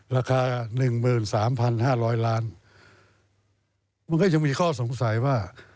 ราคา๑๓๕๐๐ล้านมันก็ยังมีข้อสงสัยว่า